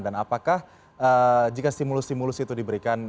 dan apakah jika stimulus stimulus itu diberikan